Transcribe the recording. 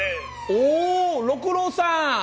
おお六郎さん！